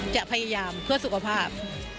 จะพยายามเพื่อสุขภาพ